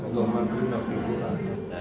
allahumma agrimna bil quran